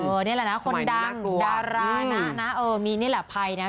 นี่แหละนะคนดังดารานะนะเออมีนี่แหละภัยนะ